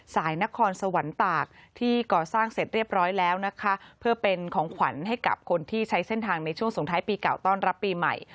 นครสวรรค์ตากที่ก่อสร้างเสร็จเรียบร้อยแล้วนะคะเพื่อเป็นของขวัญให้กับคนที่ใช้เส้นทางในช่วงสงท้ายปีเก่าต้อนรับปีใหม่